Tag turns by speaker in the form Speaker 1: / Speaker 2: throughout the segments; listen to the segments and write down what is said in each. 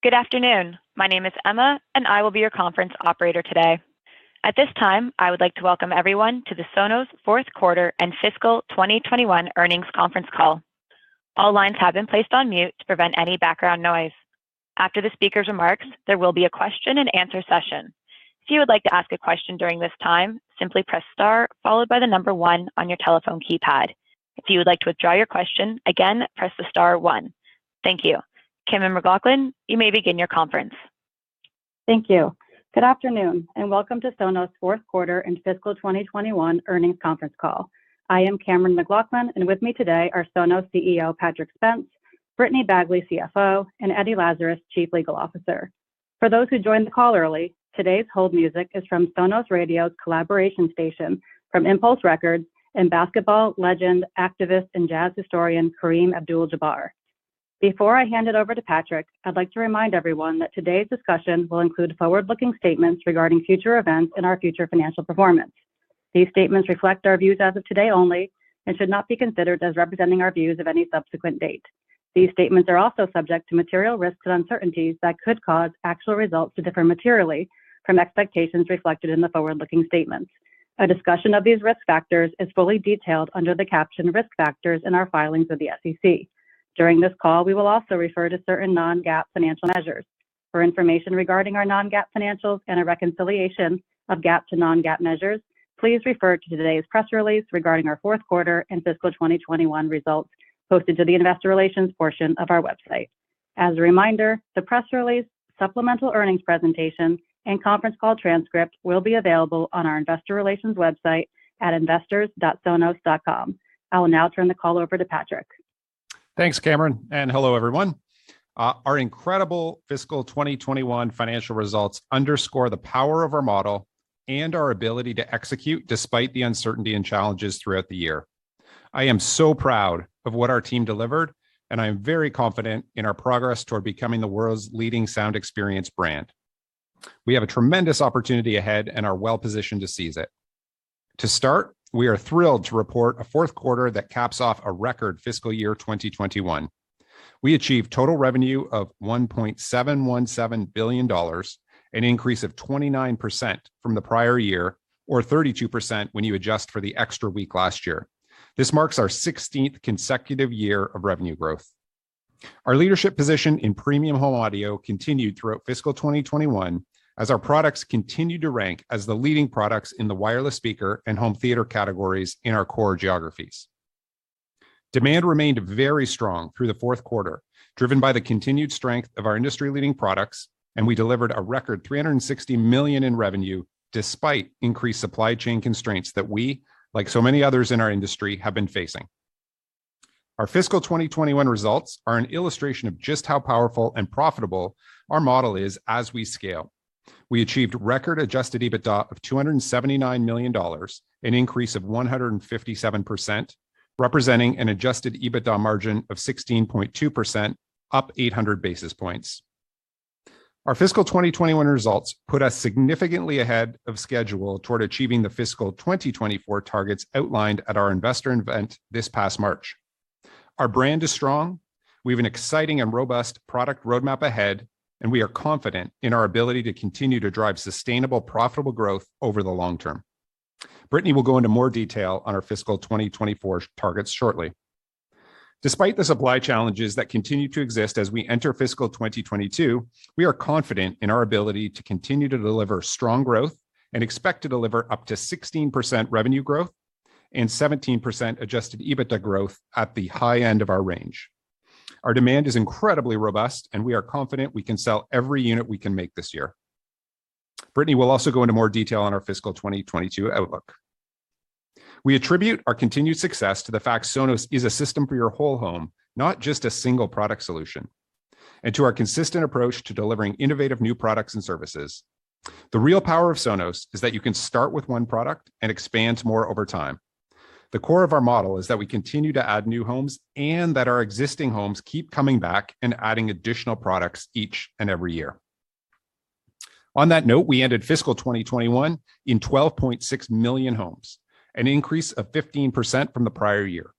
Speaker 1: Good afternoon. My name is Emma, and I will be your conference operator today. At this time, I would like to welcome everyone to the Sonos fourth quarter and fiscal 2021 earnings conference call. All lines have been placed on mute to prevent any background noise. After the speaker's remarks, there will be a question-and-answer session. If you would like to ask a question during this time, simply press star followed by the number one on your telephone keypad. If you would like to withdraw your question, again, press the star one. Thank you. Cammeron McLaughlin, you may begin your conference.
Speaker 2: Thank you. Good afternoon, and welcome to Sonos fourth quarter and fiscal 2021 earnings conference call. I am Cammeron McLaughlin, and with me today are Sonos CEO, Patrick Spence; Brittany Bagley, CFO; and Eddie Lazarus, Chief Legal Officer. For those who joined the call early, today's hold music is from Sonos Radio's collaboration station from Impulse! Records and basketball legend, activist, and jazz historian, Kareem Abdul-Jabbar. Before I hand it over to Patrick, I'd like to remind everyone that today's discussion will include forward-looking statements regarding future events and our future financial performance. These statements reflect our views as of today only and should not be considered as representing our views of any subsequent date. These statements are also subject to material risks and uncertainties that could cause actual results to differ materially from expectations reflected in the forward-looking statements. A discussion of these risk factors is fully detailed under the caption Risk Factors in our filings with the SEC. During this call, we will also refer to certain non-GAAP financial measures. For information regarding our non-GAAP financials and a reconciliation of GAAP to non-GAAP measures, please refer to today's press release regarding our fourth quarter and fiscal 2021 results posted to the investor relations portion of our website. As a reminder, the press release, supplemental earnings presentation, and conference call transcript will be available on our investor relations website at investors.sonos.com. I will now turn the call over to Patrick.
Speaker 3: Thanks, Cammeron, and hello, everyone. Our incredible fiscal 2021 financial results underscore the power of our model and our ability to execute despite the uncertainty and challenges throughout the year. I am so proud of what our team delivered, and I am very confident in our progress toward becoming the world's leading sound experience brand. We have a tremendous opportunity ahead and are well-positioned to seize it. To start, we are thrilled to report a fourth quarter that caps off a record fiscal year 2021. We achieved total revenue of $1.717 billion, an increase of 29% from the prior year or 32% when you adjust for the extra week last year. This marks our 16th consecutive year of revenue growth. Our leadership position in premium home audio continued throughout fiscal 2021 as our products continued to rank as the leading products in the wireless speaker and home theater categories in our core geographies. Demand remained very strong through the fourth quarter, driven by the continued strength of our industry-leading products, and we delivered a record $360 million in revenue despite increased supply chain constraints that we, like so many others in our industry, have been facing. Our fiscal 2021 results are an illustration of just how powerful and profitable our model is as we scale. We achieved record adjusted EBITDA of $279 million, an increase of 157%, representing an adjusted EBITDA margin of 16.2%, up 800 basis points. Our fiscal 2021 results put us significantly ahead of schedule toward achieving the fiscal 2024 targets outlined at our investor event this past March. Our brand is strong. We have an exciting and robust product roadmap ahead, and we are confident in our ability to continue to drive sustainable, profitable growth over the long term. Brittany will go into more detail on our fiscal 2024 targets shortly. Despite the supply challenges that continue to exist as we enter fiscal 2022, we are confident in our ability to continue to deliver strong growth and expect to deliver up to 16% revenue growth and 17% adjusted EBITDA growth at the high end of our range. Our demand is incredibly robust, and we are confident we can sell every unit we can make this year. Brittany will also go into more detail on our fiscal 2022 outlook. We attribute our continued success to the fact Sonos is a system for your whole home, not just a single product solution, and to our consistent approach to delivering innovative new products and services. The real power of Sonos is that you can start with one product and expand more over time. The core of our model is that we continue to add new homes and that our existing homes keep coming back and adding additional products each and every year. On that note, we ended fiscal 2021 in 12.6 million homes, an increase of 15% from the prior year.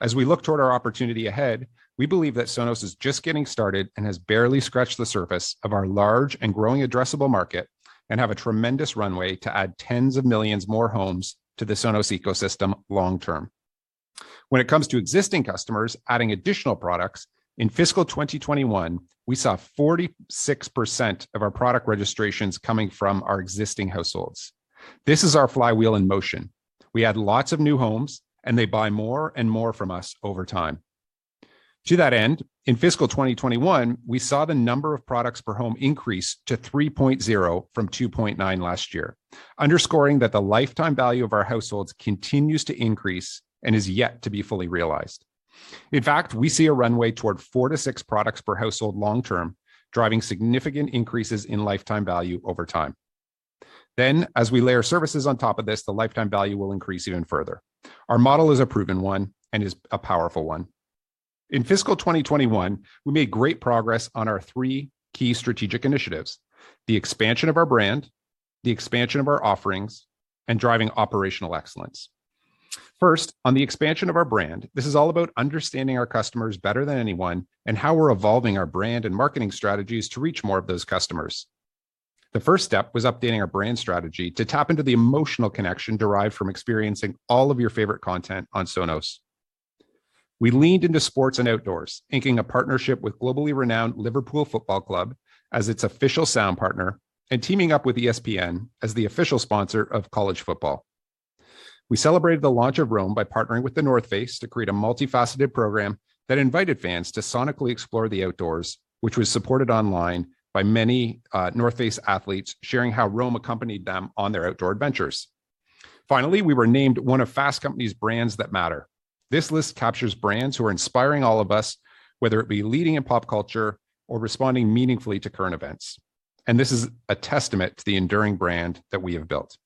Speaker 3: As we look toward our opportunity ahead, we believe that Sonos is just getting started and has barely scratched the surface of our large and growing addressable market and have a tremendous runway to add tens of millions more homes to the Sonos ecosystem long term. When it comes to existing customers adding additional products, in fiscal 2021, we saw 46% of our product registrations coming from our existing households. This is our flywheel in motion. We add lots of new homes, and they buy more and more from us over time. To that end, in fiscal 2021, we saw the number of products per home increase to 3.0 from 2.9 last year, underscoring that the lifetime value of our households continues to increase and is yet to be fully realized. In fact, we see a runway toward 4-6 products per household long term, driving significant increases in lifetime value over time. As we layer services on top of this, the lifetime value will increase even further. Our model is a proven one and is a powerful one. In fiscal 2021, we made great progress on our three key strategic initiatives. The expansion of our brand, the expansion of our offerings, and driving operational excellence. First, on the expansion of our brand, this is all about understanding our customers better than anyone and how we're evolving our brand and marketing strategies to reach more of those customers. The first step was updating our brand strategy to tap into the emotional connection derived from experiencing all of your favorite content on Sonos. We leaned into sports and outdoors, inking a partnership with globally renowned Liverpool Football Club as its official sound partner and teaming up with ESPN as the official sponsor of college football. We celebrated the launch of Roam by partnering with The North Face to create a multifaceted program that invited fans to sonically explore the outdoors, which was supported online by many, North Face athletes sharing how Roam accompanied them on their outdoor adventures. Finally, we were named one of Fast Company's Brands That Matter. This list captures brands who are inspiring all of us, whether it be leading in pop culture or responding meaningfully to current events, and this is a testament to the enduring brand that we have built.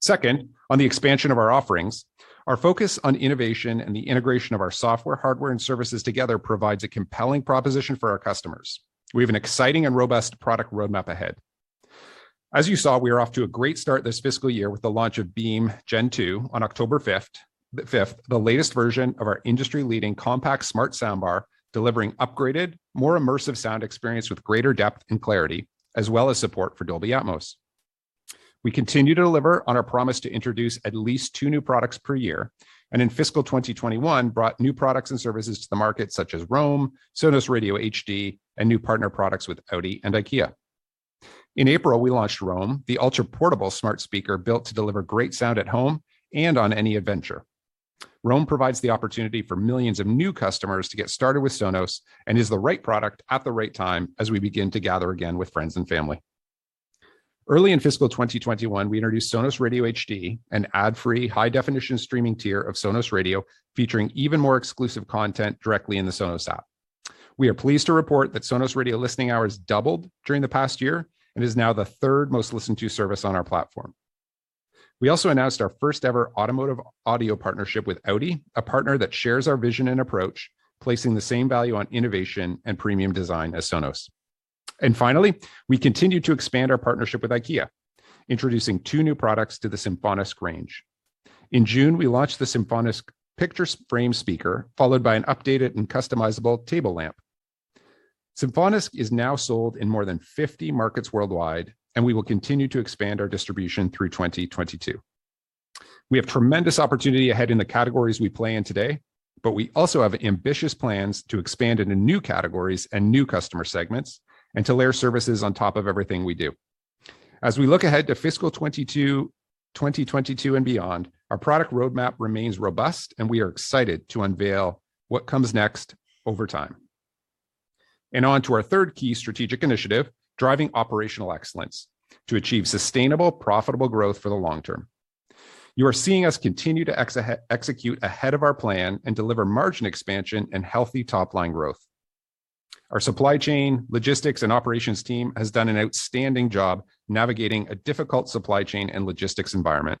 Speaker 3: Second, on the expansion of our offerings, our focus on innovation and the integration of our software, hardware, and services together provides a compelling proposition for our customers. We have an exciting and robust product roadmap ahead. As you saw, we are off to a great start this fiscal year with the launch of Beam Gen 2 on October 5th, the latest version of our industry-leading compact smart soundbar, delivering upgraded, more immersive sound experience with greater depth and clarity, as well as support for Dolby Atmos. We continue to deliver on our promise to introduce at least two new products per year, and in fiscal 2022 we brought new products and services to the market such as Roam, Sonos Radio HD, and new partner products with Audi and IKEA. In April, we launched Roam, the ultra-portable smart speaker built to deliver great sound at home and on any adventure. Roam provides the opportunity for millions of new customers to get started with Sonos and is the right product at the right time as we begin to gather again with friends and family. Early in fiscal 2021, we introduced Sonos Radio HD, an ad-free high-definition streaming tier of Sonos Radio featuring even more exclusive content directly in the Sonos app. We are pleased to report that Sonos Radio listening hours doubled during the past year and is now the third most listened to service on our platform. We also announced our first ever automotive audio partnership with Audi, a partner that shares our vision and approach, placing the same value on innovation and premium design as Sonos. Finally, we continued to expand our partnership with IKEA, introducing two new products to the SYMFONISK range. In June, we launched the SYMFONISK picture frame speaker, followed by an updated and customizable table lamp. SYMFONISK is now sold in more than 50 markets worldwide, and we will continue to expand our distribution through 2022. We have tremendous opportunity ahead in the categories we play in today, but we also have ambitious plans to expand into new categories and new customer segments and to layer services on top of everything we do. As we look ahead to fiscal 2022 and beyond, our product roadmap remains robust, and we are excited to unveil what comes next over time. On to our third key strategic initiative, driving operational excellence to achieve sustainable, profitable growth for the long term. You are seeing us continue to execute ahead of our plan and deliver margin expansion and healthy top-line growth. Our supply chain, logistics, and operations team has done an outstanding job navigating a difficult supply chain and logistics environment.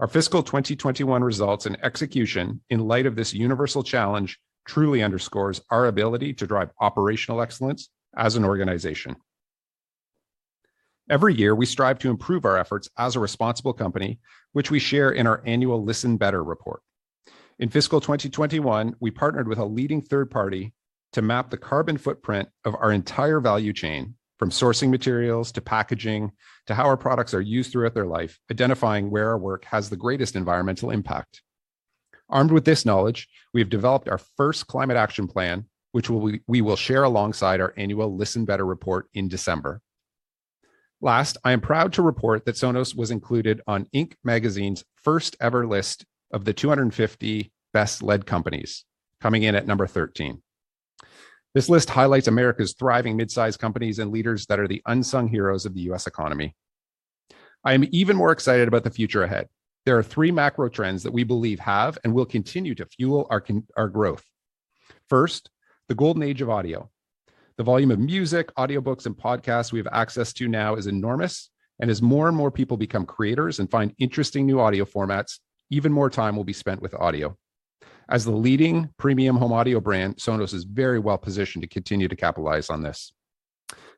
Speaker 3: Our fiscal 2021 results and execution in light of this universal challenge truly underscores our ability to drive operational excellence as an organization. Every year, we strive to improve our efforts as a responsible company, which we share in our annual Listen Better Report. In fiscal 2021, we partnered with a leading third party to map the carbon footprint of our entire value chain, from sourcing materials to packaging to how our products are used throughout their life, identifying where our work has the greatest environmental impact. Armed with this knowledge, we have developed our first climate action plan, which we will share alongside our annual Listen Better Report in December. Last, I am proud to report that Sonos was included on Inc. magazine's first ever list of the 250 Best-Led Companies, coming in at number 13. This list highlights America's thriving mid-size companies and leaders that are the unsung heroes of the U.S. economy. I am even more excited about the future ahead. There are three macro trends that we believe have and will continue to fuel our growth. First, the golden age of audio. The volume of music, audiobooks, and podcasts we have access to now is enormous, and as more and more people become creators and find interesting new audio formats, even more time will be spent with audio. As the leading premium home audio brand, Sonos is very well positioned to continue to capitalize on this.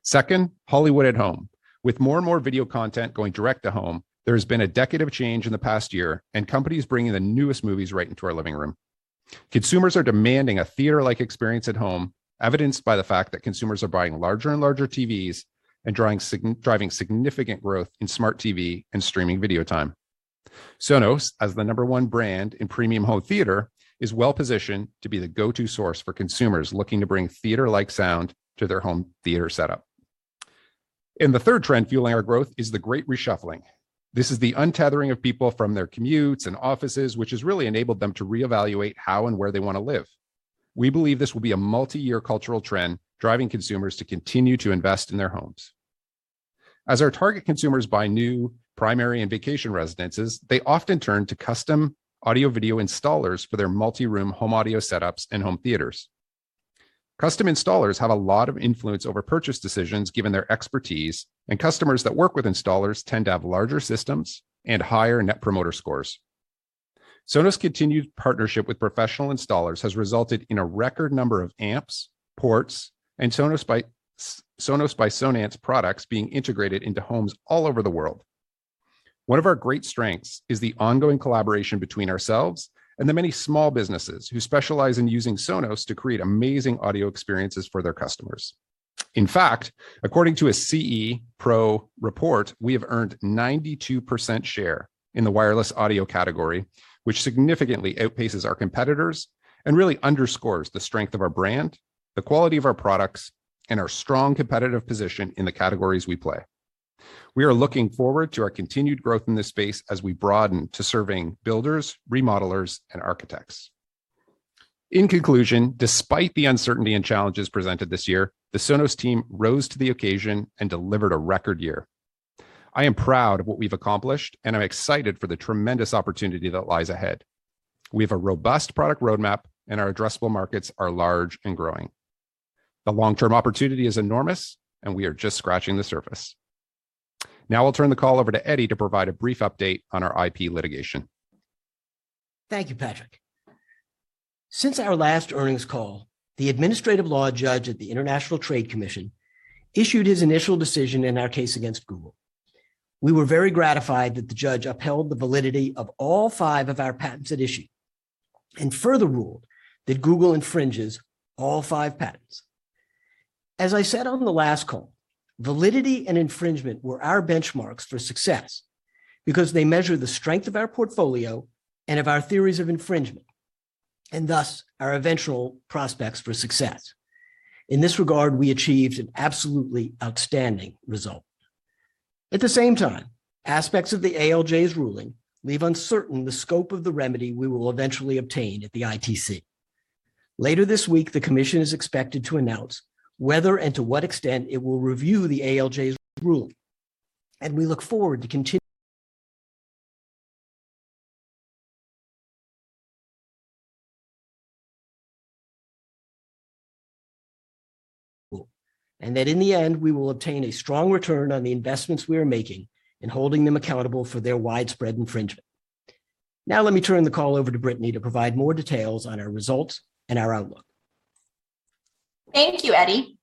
Speaker 3: Second, Hollywood at home. With more and more video content going direct to home, there has been a decade of change in the past year and companies bringing the newest movies right into our living room. Consumers are demanding a theater-like experience at home, evidenced by the fact that consumers are buying larger and larger TVs and driving significant growth in smart TV and streaming video time. Sonos, as the number one brand in premium home theater, is well-positioned to be the go-to source for consumers looking to bring theater-like sound to their home theater setup. The third trend fueling our growth is the great reshuffling. This is the untethering of people from their commutes and offices, which has really enabled them to reevaluate how and where they wanna live. We believe this will be a multi-year cultural trend, driving consumers to continue to invest in their homes. As our target consumers buy new primary and vacation residences, they often turn to custom audio/video installers for their multi-room home audio setups and home theaters. Custom installers have a lot of influence over purchase decisions given their expertise, and customers that work with installers tend to have larger systems and higher net promoter scores. Sonos' continued partnership with professional installers has resulted in a record number of Amps, and Sonos by Sonance products being integrated into homes all over the world. One of our great strengths is the ongoing collaboration between ourselves and the many small businesses who specialize in using Sonos to create amazing audio experiences for their customers. In fact, according to a CE Pro report, we have earned 92% share in the wireless audio category, which significantly outpaces our competitors and really underscores the strength of our brand, the quality of our products, and our strong competitive position in the categories we play. We are looking forward to our continued growth in this space as we broaden to serving builders, remodelers, and architects. In conclusion, despite the uncertainty and challenges presented this year, the Sonos team rose to the occasion and delivered a record year. I am proud of what we've accomplished, and I'm excited for the tremendous opportunity that lies ahead. We have a robust product roadmap, and our addressable markets are large and growing. The long-term opportunity is enormous, and we are just scratching the surface. Now I'll turn the call over to Eddie to provide a brief update on our IP litigation.
Speaker 4: Thank you, Patrick. Since our last earnings call, the administrative law judge at the U.S. International Trade Commission issued his initial decision in our case against Google. We were very gratified that the judge upheld the validity of all five of our patents at issue and further ruled that Google infringes all five patents. As I said on the last call, validity and infringement were our benchmarks for success because they measure the strength of our portfolio and of our theories of infringement, and thus our eventual prospects for success. In this regard, we achieved an absolutely outstanding result. At the same time, aspects of the ALJ's ruling leave uncertain the scope of the remedy we will eventually obtain at the ITC. Later this week, the commission is expected to announce whether and to what extent it will review the ALJ's ruling, and we look forward to continuing. That in the end, we will obtain a strong return on the investments we are making in holding them accountable for their widespread infringement. Now let me turn the call over to Brittany to provide more details on our results and our outlook.
Speaker 5: Thank you, Eddie.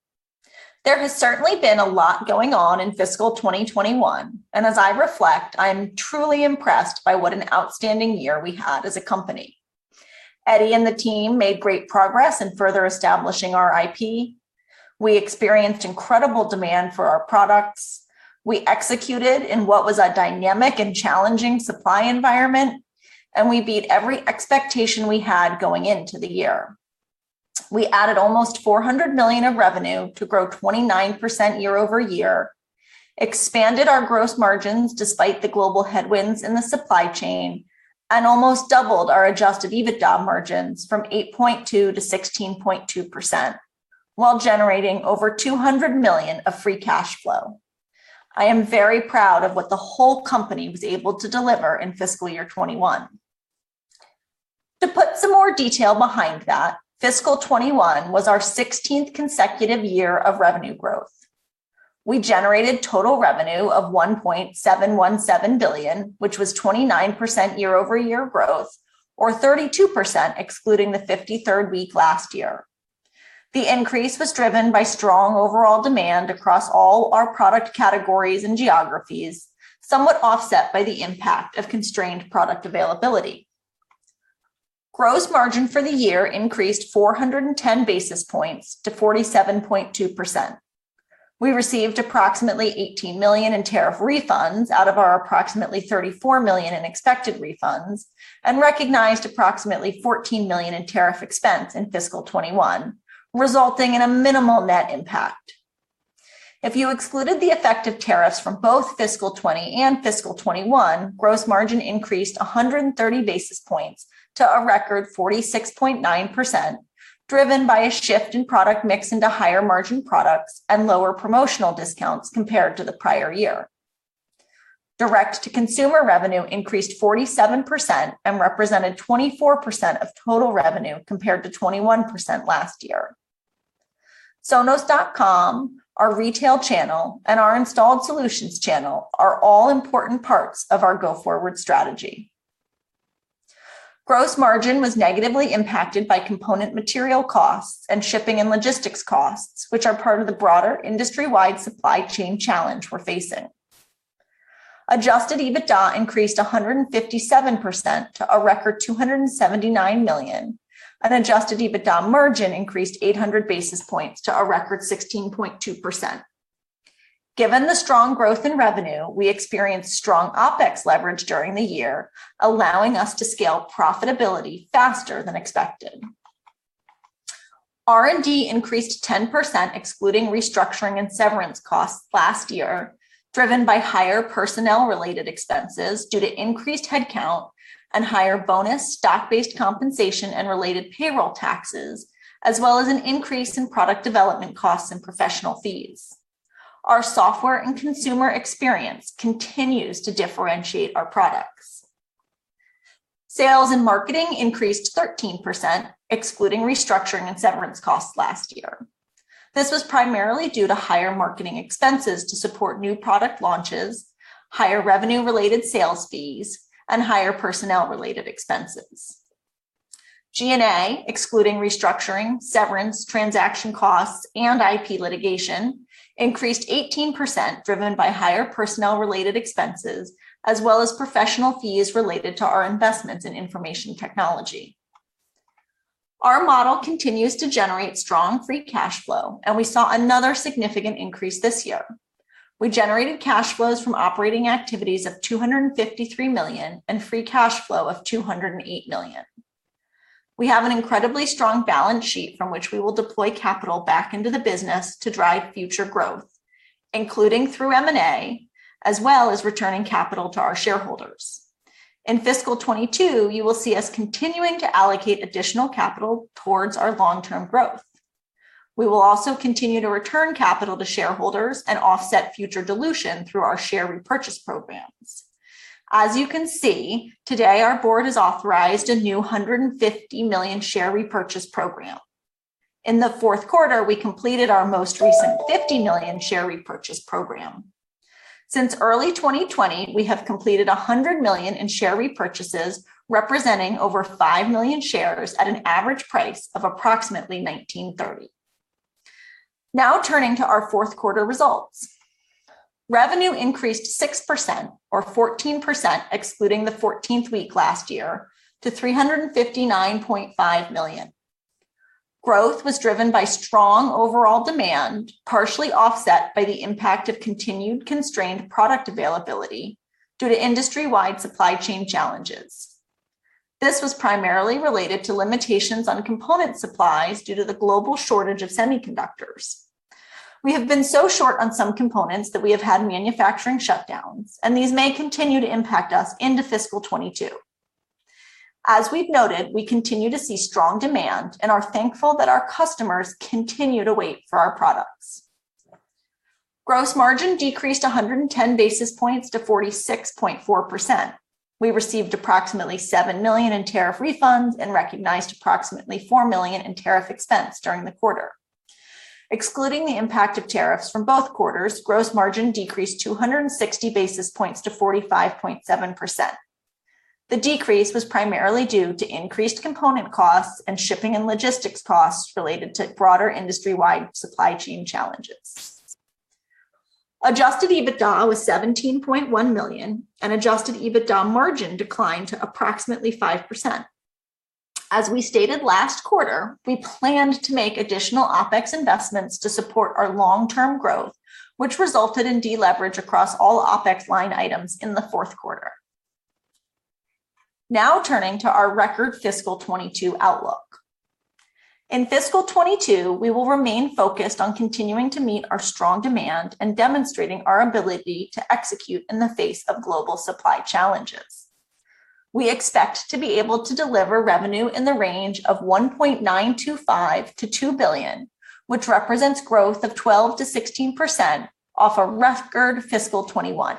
Speaker 5: There has certainly been a lot going on in fiscal 2021, and as I reflect, I'm truly impressed by what an outstanding year we had as a company. Eddie and the team made great progress in further establishing our IP. We experienced incredible demand for our products. We executed in what was a dynamic and challenging supply environment, and we beat every expectation we had going into the year. We added almost $400 million of revenue to grow 29% year-over-year, expanded our gross margins despite the global headwinds in the supply chain, and almost doubled our adjusted EBITDA margins from 8.2% to 16.2% while generating over $200 million of free cash flow. I am very proud of what the whole company was able to deliver in fiscal year 2021. To put some more detail behind that, fiscal 2021 was our 16th consecutive year of revenue growth. We generated total revenue of $1.717 billion, which was 29% year-over-year growth or 32% excluding the 53rd week last year. The increase was driven by strong overall demand across all our product categories and geographies, somewhat offset by the impact of constrained product availability. Gross margin for the year increased 410 basis points to 47.2%. We received approximately $18 million in tariff refunds out of our approximately $34 million in expected refunds and recognized approximately $14 million in tariff expense in fiscal 2021, resulting in a minimal net impact. If you excluded the effect of tariffs from both fiscal 2020 and fiscal 2021, gross margin increased 130 basis points to a record 46.9%, driven by a shift in product mix into higher-margin products and lower promotional discounts compared to the prior year. Direct-to-consumer revenue increased 47% and represented 24% of total revenue, compared to 21% last year. sonos.com, our retail channel, and our installed solutions channel are all important parts of our go-forward strategy. Gross margin was negatively impacted by component material costs and shipping and logistics costs, which are part of the broader industry-wide supply chain challenge we're facing. Adjusted EBITDA increased 157% to a record $279 million, and adjusted EBITDA margin increased 800 basis points to a record 16.2%. Given the strong growth in revenue, we experienced strong OpEx leverage during the year, allowing us to scale profitability faster than expected. R&D increased 10% excluding restructuring and severance costs last year, driven by higher personnel-related expenses due to increased headcount and higher bonus stock-based compensation and related payroll taxes, as well as an increase in product development costs and professional fees. Our software and consumer experience continues to differentiate our products. Sales and marketing increased 13%, excluding restructuring and severance costs last year. This was primarily due to higher marketing expenses to support new product launches, higher revenue-related sales fees, and higher personnel-related expenses. G&A, excluding restructuring, severance, transaction costs, and IP litigation, increased 18%, driven by higher personnel-related expenses as well as professional fees related to our investments in information technology. Our model continues to generate strong free cash flow, and we saw another significant increase this year. We generated cash flows from operating activities of $253 million and free cash flow of $208 million. We have an incredibly strong balance sheet from which we will deploy capital back into the business to drive future growth, including through M&A, as well as returning capital to our shareholders. In fiscal 2022, you will see us continuing to allocate additional capital towards our long-term growth. We will also continue to return capital to shareholders and offset future dilution through our share repurchase programs. As you can see, today our board has authorized a new $150 million share repurchase program. In the fourth quarter, we completed our most recent $50 million share repurchase program. Since early 2020, we have completed $100 million in share repurchases, representing over 5 million shares at an average price of approximately $19.30. Now turning to our fourth quarter results. Revenue increased 6%, or 14% excluding the 14th week last year, to $359.5 million. Growth was driven by strong overall demand, partially offset by the impact of continued constrained product availability due to industry-wide supply chain challenges. This was primarily related to limitations on component supplies due to the global shortage of semiconductors. We have been so short on some components that we have had manufacturing shutdowns, and these may continue to impact us into fiscal 2022. As we've noted, we continue to see strong demand and are thankful that our customers continue to wait for our products. Gross margin decreased 110 basis points to 46.4%. We received approximately $7 million in tariff refunds and recognized approximately $4 million in tariff expense during the quarter. Excluding the impact of tariffs from both quarters, gross margin decreased 260 basis points to 45.7%. The decrease was primarily due to increased component costs and shipping and logistics costs related to broader industry-wide supply chain challenges. Adjusted EBITDA was $17.1 million, and adjusted EBITDA margin declined to approximately 5%. As we stated last quarter, we planned to make additional OpEx investments to support our long-term growth, which resulted in deleverage across all OpEx line items in the fourth quarter. Now turning to our record fiscal 2022 outlook. In fiscal 2022, we will remain focused on continuing to meet our strong demand and demonstrating our ability to execute in the face of global supply challenges. We expect to be able to deliver revenue in the range of $1.925 billion-$2 billion, which represents growth of 12%-16% off a record fiscal 2021.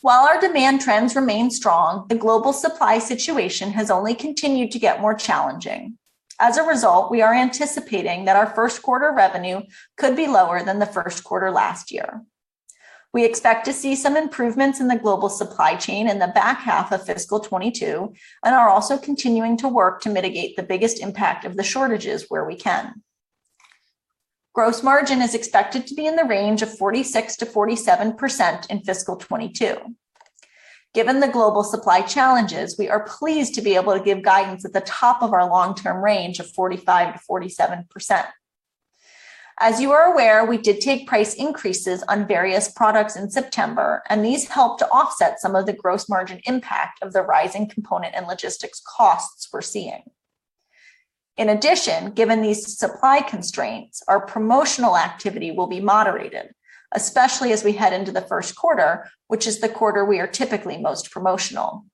Speaker 5: While our demand trends remain strong, the global supply situation has only continued to get more challenging. As a result, we are anticipating that our first quarter revenue could be lower than the first quarter last year. We expect to see some improvements in the global supply chain in the back half of fiscal 2022 and are also continuing to work to mitigate the biggest impact of the shortages where we can. Gross margin is expected to be in the range of 46%-47% in fiscal 2022. Given the global supply challenges, we are pleased to be able to give guidance at the top of our long-term range of 45%-47%. As you are aware, we did take price increases on various products in September, and these helped to offset some of the gross margin impact of the rising component and logistics costs we're seeing. In addition, given these supply constraints, our promotional activity will be moderated, especially as we head into the first quarter, which is the quarter we are typically most promotional.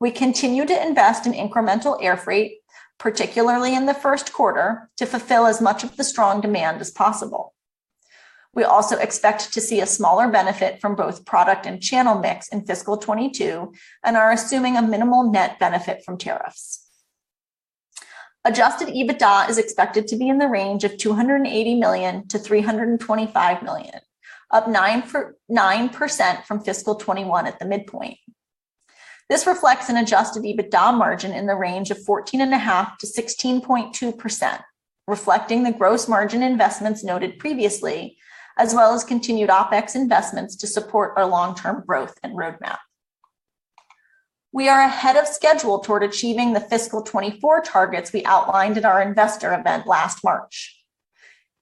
Speaker 5: We continue to invest in incremental air freight, particularly in the first quarter, to fulfill as much of the strong demand as possible. We also expect to see a smaller benefit from both product and channel mix in fiscal 2022 and are assuming a minimal net benefit from tariffs. Adjusted EBITDA is expected to be in the range of $280 million-$325 million, up 9% from fiscal 2021 at the midpoint. This reflects an adjusted EBITDA margin in the range of 14.5%-16.2%, reflecting the gross margin investments noted previously, as well as continued OpEx investments to support our long-term growth and roadmap. We are ahead of schedule toward achieving the fiscal 2024 targets we outlined at our investor event last March.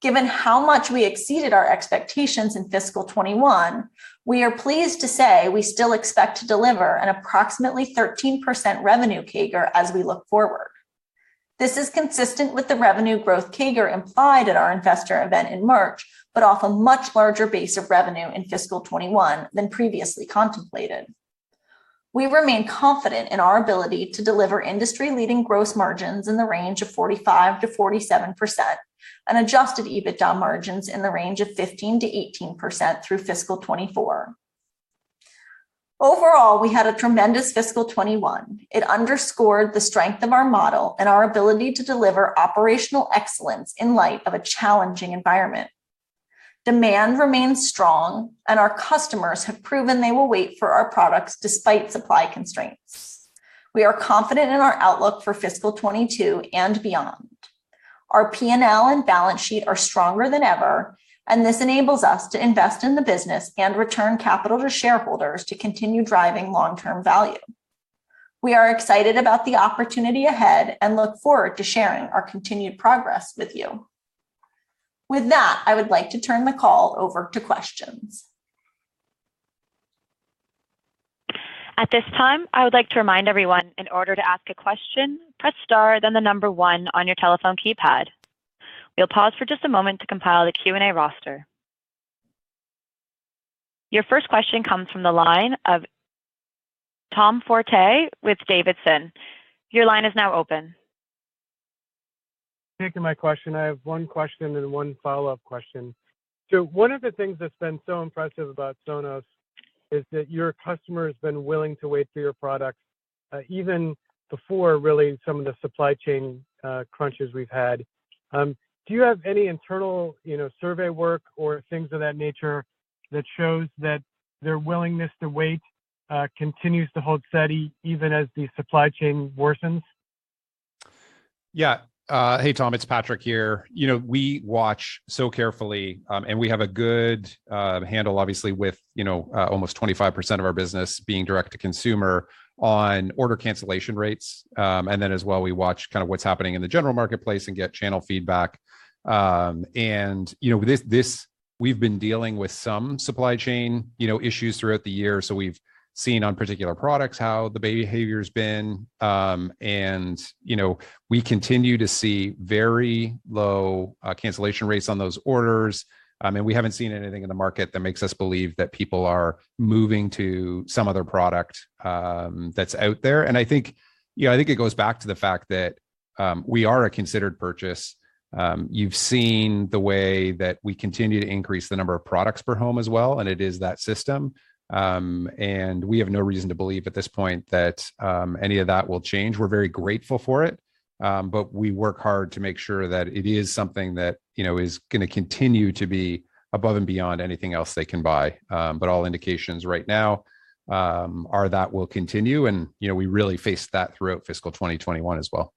Speaker 5: Given how much we exceeded our expectations in fiscal 2021, we are pleased to say we still expect to deliver an approximately 13% revenue CAGR as we look forward. This is consistent with the revenue growth CAGR implied at our investor event in March, but off a much larger base of revenue in fiscal 2021 than previously contemplated. We remain confident in our ability to deliver industry-leading gross margins in the range of 45%-47% and adjusted EBITDA margins in the range of 15%-18% through fiscal 2024. Overall, we had a tremendous fiscal 2021. It underscored the strength of our model and our ability to deliver operational excellence in light of a challenging environment. Demand remains strong, and our customers have proven they will wait for our products despite supply constraints. We are confident in our outlook for fiscal 2022 and beyond. Our P&L and balance sheet are stronger than ever, and this enables us to invest in the business and return capital to shareholders to continue driving long-term value. We are excited about the opportunity ahead and look forward to sharing our continued progress with you. With that, I would like to turn the call over to questions.
Speaker 1: At this time, I would like to remind everyone, in order to ask a question, press star then the number one on your telephone keypad. We'll pause for just a moment to compile the Q&A roster. Your first question comes from the line of Tom Forte with D.A. Davidson. Your line is now open.
Speaker 6: Thank you. My question, I have one question and one follow-up question. One of the things that's been so impressive about Sonos is that your customer has been willing to wait for your products, even before really some of the supply chain crunches we've had. Do you have any internal, you know, survey work or things of that nature that shows that their willingness to wait continues to hold steady even as the supply chain worsens?
Speaker 3: Yeah. Hey, Tom, it's Patrick here. You know, we watch so carefully, and we have a good handle obviously with, you know, almost 25% of our business being direct to consumer on order cancellation rates. As well, we watch kind of what's happening in the general marketplace and get channel feedback. You know, we've been dealing with some supply chain, you know, issues throughout the year, so we've seen on particular products how the behavior's been. You know, we continue to see very low cancellation rates on those orders, and we haven't seen anything in the market that makes us believe that people are moving to some other product that's out there. I think, you know, it goes back to the fact that we are a considered purchase. You've seen the way that we continue to increase the number of products per home as well, and it is that system. We have no reason to believe at this point that any of that will change. We're very grateful for it, but we work hard to make sure that it is something that, you know, is gonna continue to be above and beyond anything else they can buy. All indications right now are that will continue, and, you know, we really faced that throughout fiscal 2021 as well.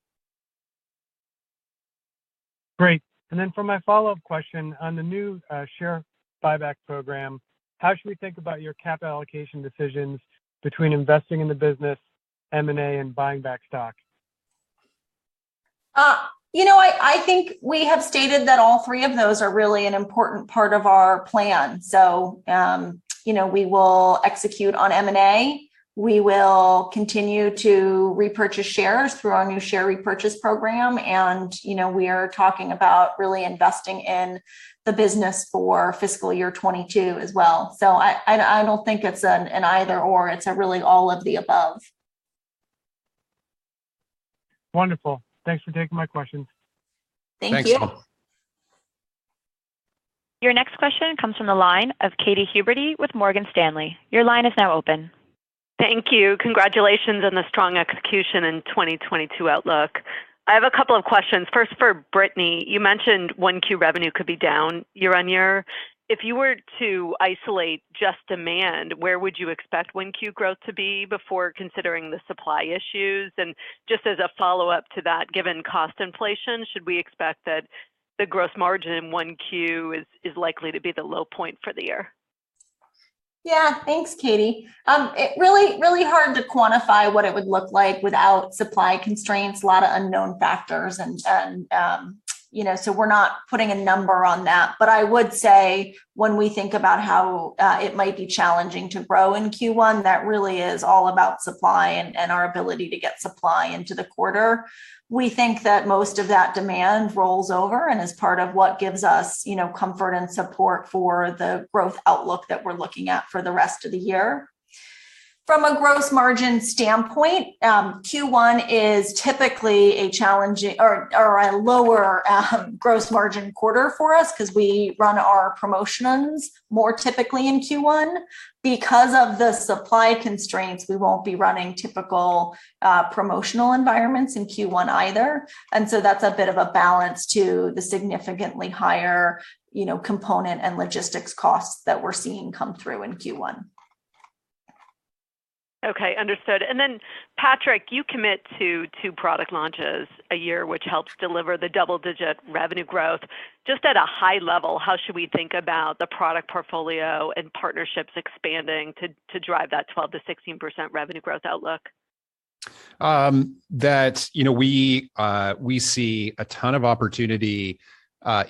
Speaker 6: Great. For my follow-up question, on the new share buyback program, how should we think about your capital allocation decisions between investing in the business, M&A, and buying back stock?
Speaker 5: You know, I think we have stated that all three of those are really an important part of our plan. You know, we will execute on M&A. We will continue to repurchase shares through our new share repurchase program, and, you know, we are talking about really investing in the business for fiscal year 2022 as well. I don't think it's an either/or. It's really all of the above.
Speaker 6: Wonderful. Thanks for taking my questions.
Speaker 5: Thank you.
Speaker 3: Thanks, Tom.
Speaker 1: Your next question comes from the line of Katy Huberty with Morgan Stanley. Your line is now open.
Speaker 7: Thank you. Congratulations on the strong execution in 2022 outlook. I have a couple of questions. First for Brittany. You mentioned Q1 revenue could be down year-over-year. If you were to isolate just demand, where would you expect Q1 growth to be before considering the supply issues? And just as a follow-up to that, given cost inflation, should we expect that the gross margin in Q1 is likely to be the low point for the year?
Speaker 5: Yeah. Thanks, Katy. It's really, really hard to quantify what it would look like without supply constraints. A lot of unknown factors, you know, so we're not putting a number on that. I would say when we think about how it might be challenging to grow in Q1, that really is all about supply and our ability to get supply into the quarter. We think that most of that demand rolls over and is part of what gives us, you know, comfort and support for the growth outlook that we're looking at for the rest of the year. From a gross margin standpoint, Q1 is typically a challenging or a lower gross margin quarter for us 'cause we run our promotions more typically in Q1. Because of the supply constraints, we won't be running typical promotional environments in Q1 either. That's a bit of a balance to the significantly higher, you know, component and logistics costs that we're seeing come through in Q1.
Speaker 7: Okay. Understood. Patrick, you commit to two product launches a year, which helps deliver the double-digit revenue growth. Just at a high level, how should we think about the product portfolio and partnerships expanding to drive that 12%-16% revenue growth outlook?
Speaker 3: That, you know, we see a ton of opportunity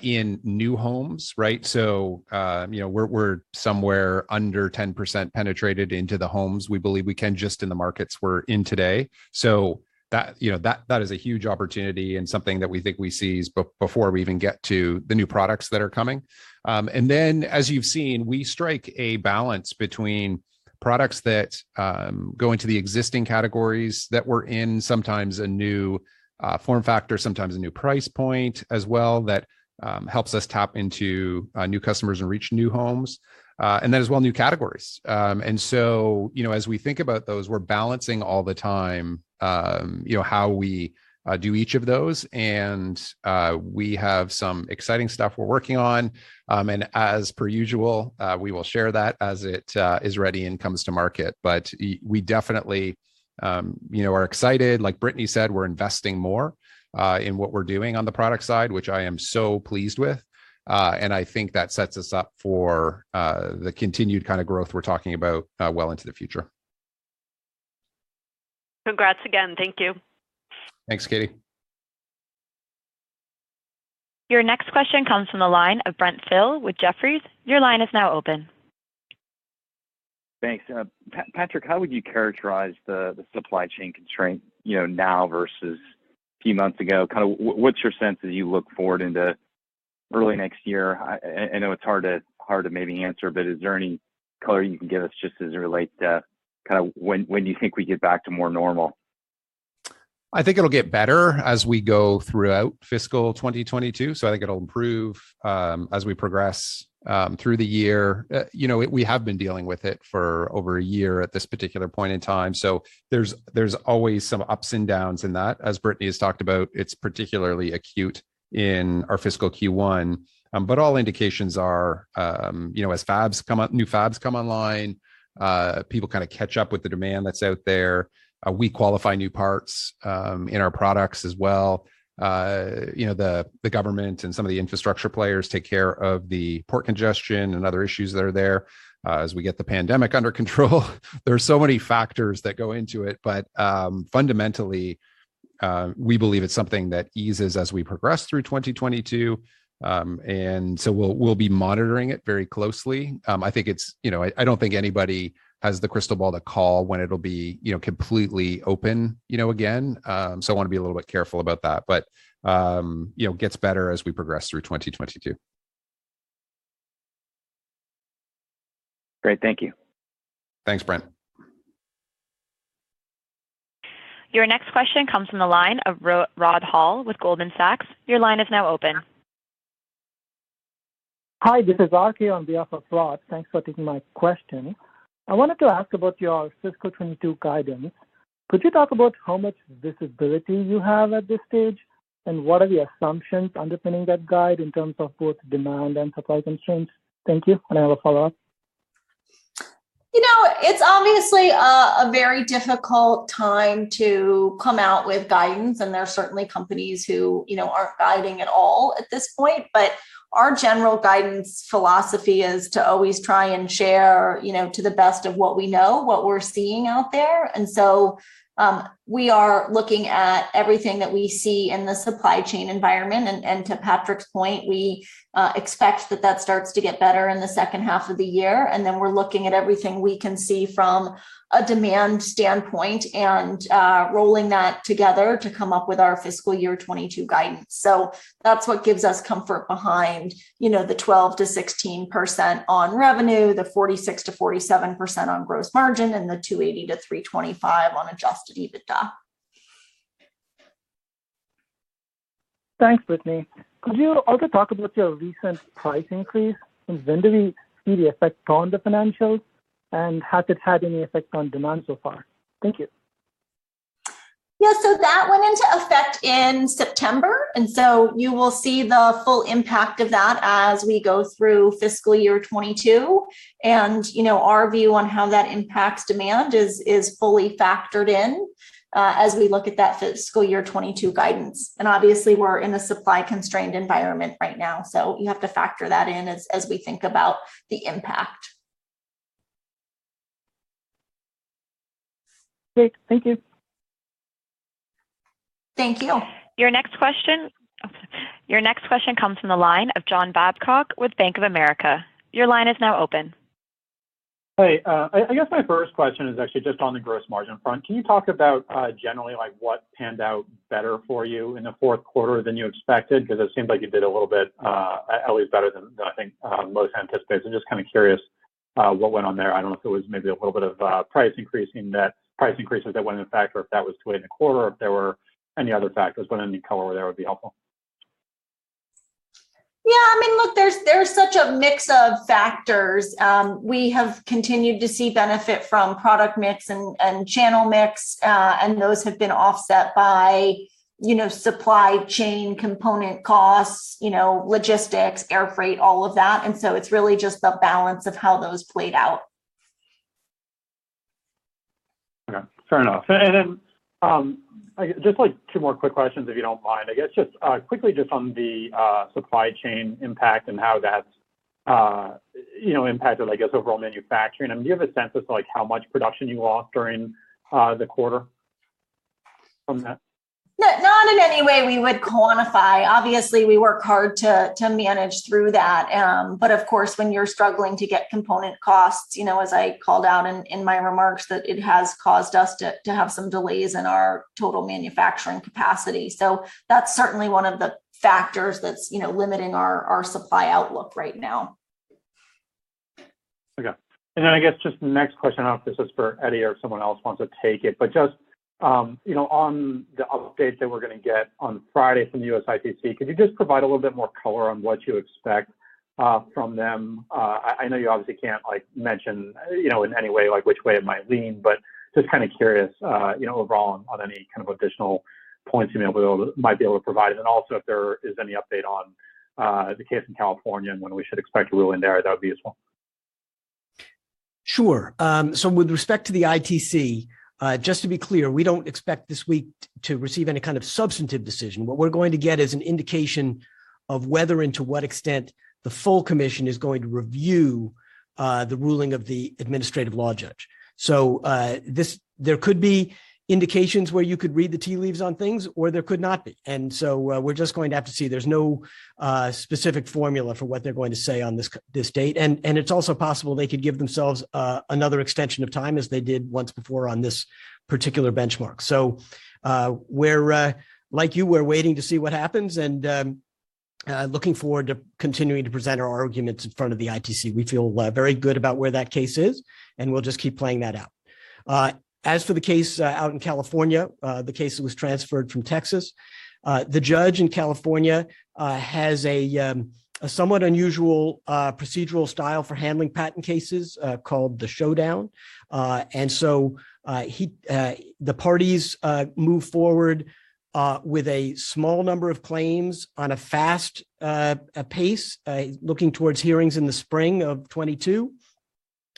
Speaker 3: in new homes, right? You know, we're somewhere under 10% penetrated into the homes we believe we can just in the markets we're in today. That is a huge opportunity and something that we think we seize before we even get to the new products that are coming. As you've seen, we strike a balance between products that go into the existing categories that we're in, sometimes a new form factor, sometimes a new price point as well that helps us tap into new customers and reach new homes, and then as well, new categories. You know, as we think about those, we're balancing all the time, you know, how we do each of those. We have some exciting stuff we're working on. As per usual, we will share that as it is ready and comes to market. We definitely, you know, we're excited. Like Brittany said, we're investing more in what we're doing on the product side, which I am so pleased with. I think that sets us up for the continued kind of growth we're talking about well into the future.
Speaker 7: Congrats again. Thank you.
Speaker 3: Thanks, Katy.
Speaker 1: Your next question comes from the line of Brent Thill with Jefferies. Your line is now open.
Speaker 8: Thanks. Patrick, how would you characterize the supply chain constraint, you know, now versus few months ago? What's your sense as you look forward into early next year? I know it's hard to maybe answer, but is there any color you can give us just as it relates to kinda when you think we get back to more normal?
Speaker 3: I think it'll get better as we go throughout fiscal 2022, so I think it'll improve as we progress through the year. You know, we have been dealing with it for over a year at this particular point in time, so there's always some ups and downs in that. As Brittany has talked about, it's particularly acute in our fiscal Q1. All indications are you know, as fabs come up, new fabs come online, people kind of catch up with the demand that's out there. We qualify new parts in our products as well. You know, the government and some of the infrastructure players take care of the port congestion and other issues that are there as we get the pandemic under control. There are so many factors that go into it. Fundamentally, we believe it's something that eases as we progress through 2022. We'll be monitoring it very closely. I think it's, you know, I don't think anybody has the crystal ball to call when it'll be, you know, completely open, you know, again, so I wanna be a little bit careful about that. You know, gets better as we progress through 2022.
Speaker 8: Great. Thank you.
Speaker 3: Thanks, Brent.
Speaker 1: Your next question comes from the line of Rod Hall with Goldman Sachs. Your line is now open.
Speaker 9: Hi, this is Aki on behalf of Rod. Thanks for taking my question. I wanted to ask about your fiscal 2022 guidance. Could you talk about how much visibility you have at this stage, and what are the assumptions underpinning that guide in terms of both demand and supply constraints? Thank you, and I have a follow-up.
Speaker 5: You know, it's obviously a very difficult time to come out with guidance, and there are certainly companies who, you know, aren't guiding at all at this point. Our general guidance philosophy is to always try and share, you know, to the best of what we know, what we're seeing out there. We are looking at everything that we see in the supply chain environment. And to Patrick's point, we expect that starts to get better in the second half of the year, and then we're looking at everything we can see from a demand standpoint and rolling that together to come up with our fiscal year 2022 guidance. That's what gives us comfort behind, you know, the 12%-16% on revenue, the 46%-47% on gross margin, and the $280-$325 on adjusted EBITDA.
Speaker 9: Thanks, Brittany. Could you also talk about your recent price increase, and when do we see the effect on the financials, and has it had any effect on demand so far? Thank you.
Speaker 5: Yeah. That went into effect in September, and you will see the full impact of that as we go through fiscal year 2022. You know, our view on how that impacts demand is fully factored in as we look at that fiscal year 2022 guidance. Obviously, we're in a supply-constrained environment right now, so you have to factor that in as we think about the impact.
Speaker 9: Great. Thank you.
Speaker 5: Thank you.
Speaker 1: Your next question comes from the line of John Babcock with Bank of America. Your line is now open.
Speaker 10: Hey. I guess my first question is actually just on the gross margin front. Can you talk about, generally, like, what panned out better for you in the fourth quarter than you expected? 'Cause it seems like you did a little bit, at least better than I think, most anticipated. Just kind of curious, what went on there. I don't know if it was maybe a little bit of, price increases that went in effect or if that was weighed in the quarter or if there were any other factors. But any color there would be helpful.
Speaker 5: Yeah. I mean, look, there's such a mix of factors. We have continued to see benefit from product mix and channel mix, and those have been offset by, you know, supply chain component costs, you know, logistics, air freight, all of that. It's really just the balance of how those played out.
Speaker 10: Okay. Fair enough. I guess just, like, two more quick questions, if you don't mind. I guess just quickly just on the supply chain impact and how that's, you know, impacted, I guess, overall manufacturing. I mean, do you have a sense of, like, how much production you lost during the quarter from that?
Speaker 5: No, not in any way we would quantify. Obviously, we work hard to manage through that. Of course, when you're struggling to get component costs, you know, as I called out in my remarks, that it has caused us to have some delays in our total manufacturing capacity. That's certainly one of the factors that's limiting our supply outlook right now.
Speaker 10: Okay. I guess just the next question, I don't know if this is for Eddie or if someone else wants to take it. Just, you know, on the update that we're gonna get on Friday from the USITC, could you just provide a little bit more color on what you expect from them? I know you obviously can't, like, mention, you know, in any way, like, which way it might lean, but just kinda curious, you know, overall on any kind of additional points you might be able to provide. Also if there is any update on the case in California and when we should expect a ruling there, that would be useful.
Speaker 4: Sure. With respect to the ITC, just to be clear, we don't expect this week to receive any kind of substantive decision. What we're going to get is an indication of whether and to what extent the full commission is going to review the ruling of the administrative law judge. There could be indications where you could read the tea leaves on things, or there could not be. We're just going to have to see. There's no specific formula for what they're going to say on this date. It's also possible they could give themselves another extension of time as they did once before on this particular benchmark. We're like you, we're waiting to see what happens and looking forward to continuing to present our arguments in front of the ITC. We feel very good about where that case is, and we'll just keep playing that out. As for the case out in California, the case that was transferred from Texas, the judge in California has a somewhat unusual procedural style for handling patent cases called the showdown. The parties move forward with a small number of claims on a fast pace looking towards hearings in the spring of 2022,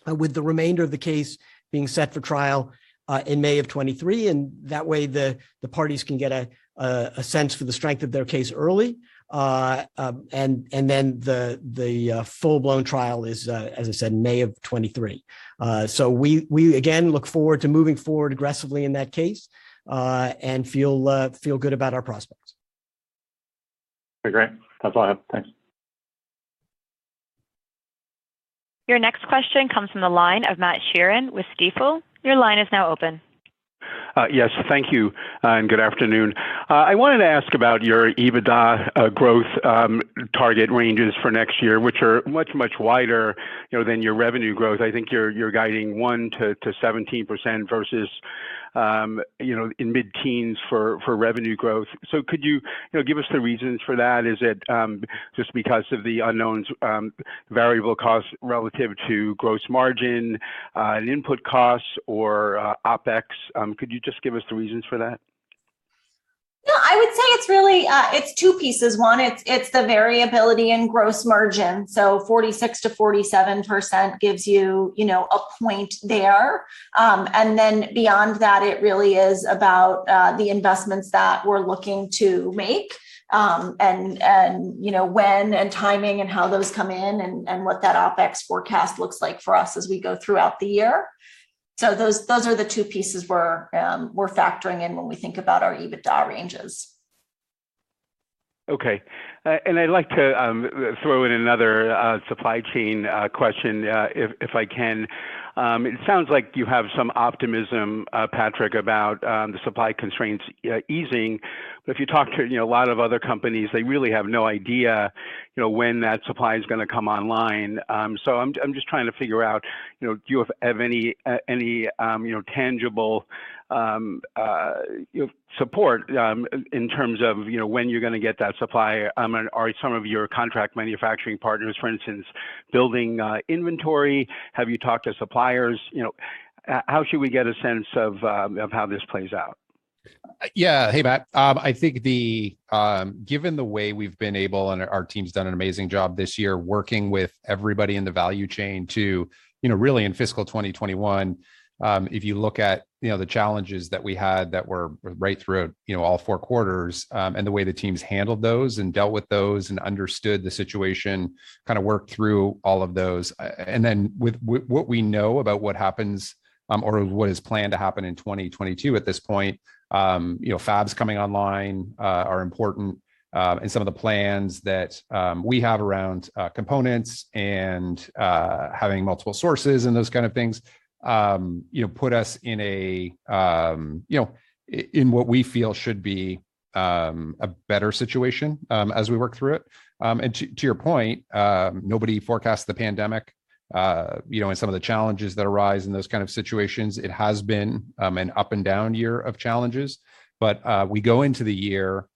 Speaker 4: with the remainder of the case being set for trial in May of 2023. That way the parties can get a sense for the strength of their case early. The full-blown trial is, as I said, May of 2023. We again look forward to moving forward aggressively in that case and feel good about our prospects.
Speaker 10: Okay, great. That's all I have. Thanks.
Speaker 1: Your next question comes from the line of Matthew Sheerin with Stifel. Your line is now open.
Speaker 11: Thank you, and good afternoon. I wanted to ask about your EBITDA growth target ranges for next year, which are much wider, you know, than your revenue growth. I think you're guiding 1%-17% versus in mid-teens for revenue growth. Could you give us the reasons for that? Is it just because of the unknowns, variable cost relative to gross margin, and input costs or OpEx? Could you just give us the reasons for that?
Speaker 5: No, I would say it's really two pieces. One, it's the variability in gross margin. So 46%-47% gives you know, a point there. Beyond that, it really is about the investments that we're looking to make, and, you know, when and timing and how those come in and what that OpEx forecast looks like for us as we go throughout the year. Those are the two pieces we're factoring in when we think about our EBITDA ranges.
Speaker 11: Okay. I'd like to throw in another supply chain question, if I can. It sounds like you have some optimism, Patrick, about the supply constraints easing. If you talk to, you know, a lot of other companies, they really have no idea, you know, when that supply is gonna come online. I'm just trying to figure out, you know, do you have any tangible support in terms of, you know, when you're gonna get that supply? Are some of your contract manufacturing partners, for instance, building inventory? Have you talked to suppliers? You know, how should we get a sense of how this plays out?
Speaker 3: Yeah. Hey, Matthew. I think given the way we've been able, and our team's done an amazing job this year working with everybody in the value chain to, you know, really in fiscal 2021, if you look at, you know, the challenges that we had that were right through, you know, all four quarters, and the way the teams handled those and dealt with those and understood the situation, kinda worked through all of those. Then with what we know about what happens, or what is planned to happen in 2022 at this point, you know, fabs coming online are important. Some of the plans that we have around components and having multiple sources and those kind of things you know put us in a you know in what we feel should be a better situation as we work through it. To your point, nobody forecasts the pandemic you know and some of the challenges that arise in those kind of situations. It has been an up-and-down year of challenges. We go into the year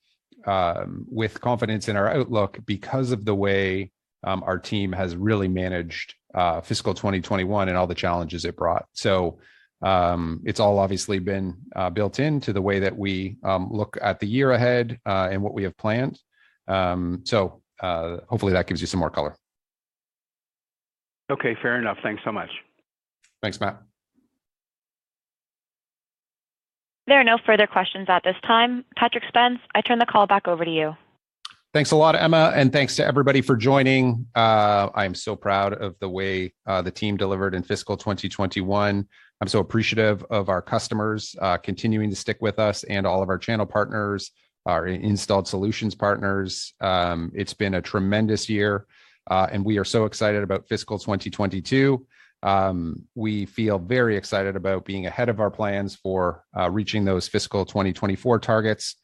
Speaker 3: with confidence in our outlook because of the way our team has really managed fiscal 2021 and all the challenges it brought. It's all obviously been built into the way that we look at the year ahead and what we have planned. Hopefully that gives you some more color.
Speaker 11: Okay, fair enough. Thanks so much.
Speaker 3: Thanks, Matthew.
Speaker 1: There are no further questions at this time. Patrick Spence, I turn the call back over to you.
Speaker 3: Thanks a lot, Emma, and thanks to everybody for joining. I'm so proud of the way the team delivered in fiscal 2021. I'm so appreciative of our customers continuing to stick with us and all of our channel partners, our installed solutions partners. It's been a tremendous year, and we are so excited about fiscal 2022. We feel very excited about being ahead of our plans for reaching those fiscal 2024 targets.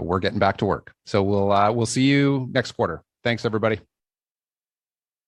Speaker 3: We're getting back to work. We'll see you next quarter. Thanks, everybody.